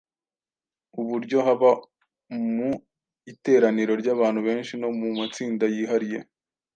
uburyo haba mu iteraniro ry’abantu benshi no mu matsinda yihariye,